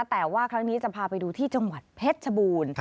แต่ว่าครั้งนี้จะพาไปดูที่จังหวัดเพชรชบูรณ์